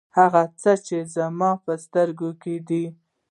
هغه څه چې زما په سترګو کې دي.